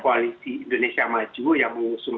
koalisi indonesia maju yang mengusung